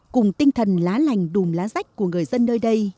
cùng tinh thần lá lành đùm lá rách của người dân nơi đây